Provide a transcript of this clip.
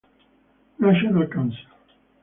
National Council.